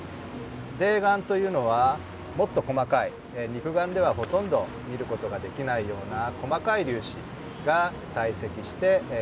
泥岩というのはもっと細かい肉眼ではほとんど見ることができないような細かい粒子が堆積して固まった石になります。